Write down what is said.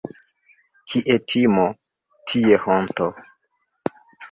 Kie timo, tie honto.